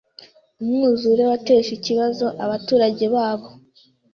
Umwuzure wateje ikibazo abaturage babo.